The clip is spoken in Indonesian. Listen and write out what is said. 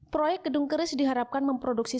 proyek gedung keris diharapkan memproduksi